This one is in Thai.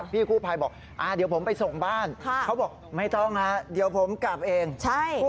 ผีอ่ะผีบังผีขาบมาแล้วผีบังเหรอ